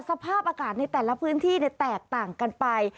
สภาพอากาศในแต่ละพื้นที่แตกต่างกันไป